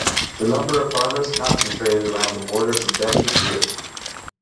The number of farmers concentrated around the borders of Delhi grew.